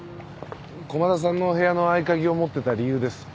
駒田さんの部屋の合鍵を持ってた理由です。